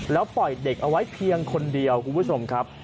แล้วปล่อยเด็กเอาไว้เพียงคนเดียวคุณผู้ชมครับ